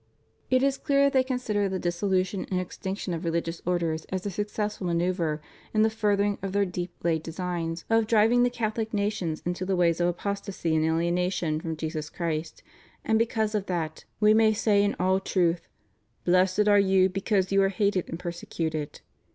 It is clear that they consider the dissolution and ex tinction of religious orders as a successful manoeu\Te in the furthering of their deep laid designs of driving the Catholic nations into the ways of apostasy and aliena tion from Jesus Christ, and because of that, We may say »Matt. V 11. THE RELIGIOUS CONGREGATIONS IN FRANCE. 507 in all truth: Blessed are you because you are hated and ■persecuted.